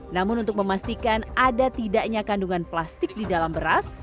namun untuk memastikan ada tidaknya kandungan plastik di dalam beras